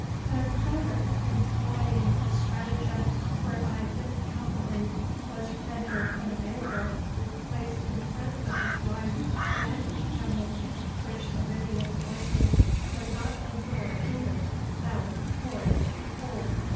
But Cyrus, employing a strategem whereby this cavalry was rendered unavailable, placed in front of his line the baggage camels, which the Lydian horses could not endure either to smell or to behold.